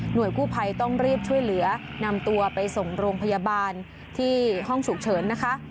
โดยกู้ภัยต้องรีบช่วยเหลือนำตัวไปส่งโรงพยาบาลที่ห้องฉุกเฉินนะคะ